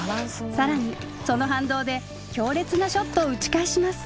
更にその反動で強烈なショットを打ち返します。